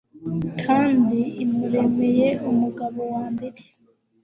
kandi imuremeye umugabo wa mbere